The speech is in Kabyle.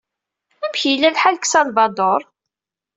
Amek yella lḥal deg Salvador?